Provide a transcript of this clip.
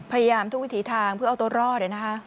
พยายามทุกวิถีทางเพื่อเอาตัวรอดเลยนะครับ